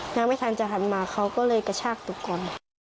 นักร้องไม่ทันจะถัดมาเขาก็เลยกระชากตุ๊กกน